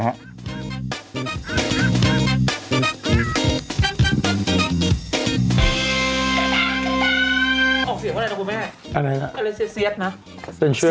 ออกเสียเกิดอะไรแล้วคุณแม่